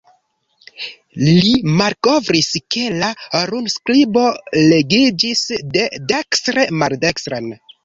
Li malkovris ke la runskribo legiĝis de dekstre maldekstren.